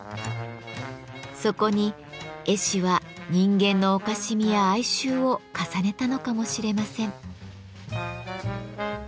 そこに絵師は人間のおかしみや哀愁を重ねたのかもしれません。